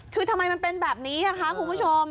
คือทำไมเป็นแบบนี้ให้คุณผู้ชม